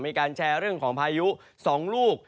มีการแชร์เรื่องของพายุ๒ลูก